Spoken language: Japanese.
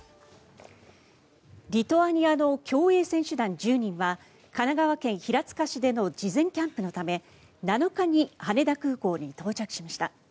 リトアニアの競泳選手団１０人は神奈川県平塚市での事前キャンプのため７日に羽田空港に到着しました。